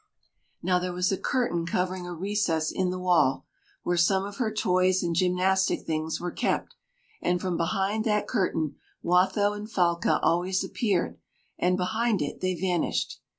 Now there was a curtain covering a recess in the wall, where some of her toys and gymnastic things were kept; and from behind that curtain Watho and Falca always appeared, and behind it they vanished.